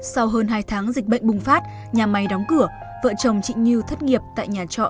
sau hơn hai tháng dịch bệnh bùng phát nhà máy đóng cửa vợ chồng chị như thất nghiệp tại nhà trọ